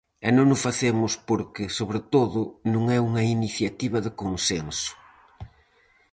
E non o facemos porque, sobre todo, non é unha iniciativa de consenso.